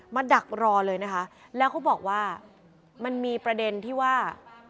ดักรอเลยนะคะแล้วเขาบอกว่ามันมีประเด็นที่ว่า